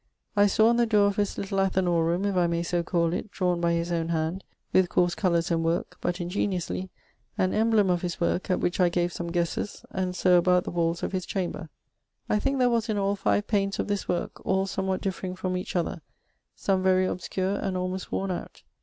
I sawe on the doore of his little Athanor room, if I may so call it, drawn by his own hand, with course colours and work, but ingeniously, an embleme of his worke, at which I gave some guesses, and so about the walls of his chamber. I thinke there was in all 5 panes of this worke, all somewhat differing from each other, some very obscure and almost worne out.